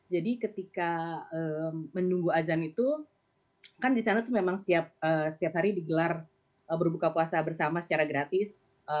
jadi ketika menunggu azan itu kan di sana itu memang setiap hari digelar berbuka puasa bersama secara gratis